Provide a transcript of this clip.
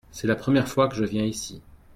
C'est la première fois que je viens ici.